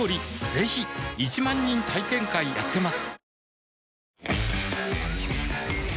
ぜひ１万人体験会やってますはぁ。